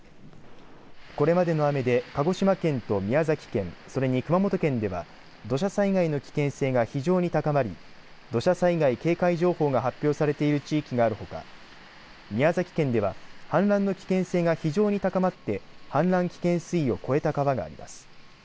これまでの雨で鹿児島県と宮崎県、それに熊本県では土砂災害の危険性が非常に高まり土砂災害警戒情報が発表されている地域があるほか、宮崎県では氾濫の危険性が非常に高まって氾濫危険水位を超えた川があります。